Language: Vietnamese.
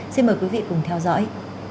xin mời quý vị cùng theo dõi